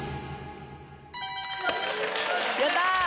やったー！